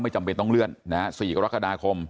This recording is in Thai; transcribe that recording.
จำเป็นต้องเลื่อน๔กรกฎาคม